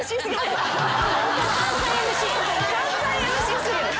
関西ＭＣ過ぎる。